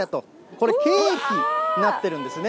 これ、ケーキになってるんですね。